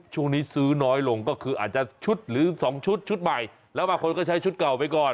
ช่วงนี้ซื้อน้อยลงก็คืออาจจะชุดหรือ๒ชุดชุดใหม่แล้วบางคนก็ใช้ชุดเก่าไปก่อน